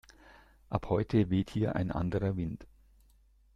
Ab heute weht hier ein anderer Wind!